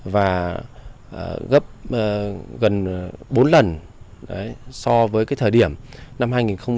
và gấp gần bốn lần so với thời điểm năm hai nghìn một mươi bảy